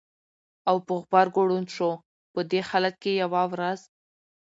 او په غبرګو ړوند شو! په دې حالت کې یوه ورځ